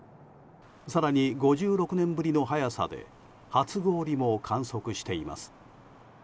更に、５６年ぶりの早さで初氷も観測しています。